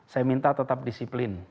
saya minta tetap disiplin